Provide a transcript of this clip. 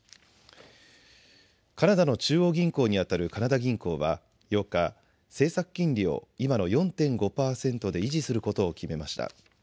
カナダの中央銀行にあたるカナダ銀行は８日、政策金利を今の４．５％で維持することを決めました。